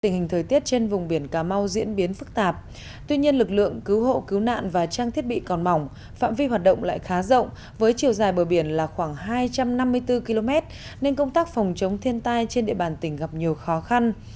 tình hình thời tiết trên vùng biển cà mau diễn biến phức tạp tuy nhiên lực lượng cứu hộ cứu nạn và trang thiết bị còn mỏng phạm vi hoạt động lại khá rộng với chiều dài bờ biển là khoảng hai trăm năm mươi bốn km nên công tác phòng chống thiên tai trên địa bàn tỉnh gặp nhiều khó khăn